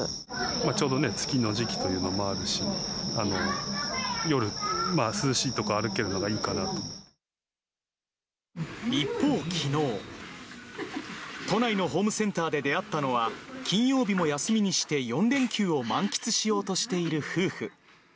ちょうど月の時期というのもあるし、夜、一方きのう、都内のホームセンターで出会ったのは、金曜日も休みにして４連休を満喫しようとしている夫婦。